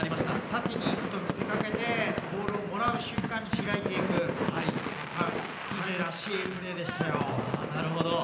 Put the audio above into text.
縦に行くと見せかけてボールをもらう瞬間に開いていく、彼らしいプレーでしたよ。